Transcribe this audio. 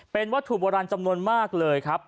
เป็นวัตถุโบราณจำนวนมากเลยครับ